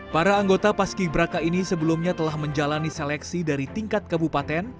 para anggota paski braka ini sebelumnya telah menjalani seleksi dari tingkat kabupaten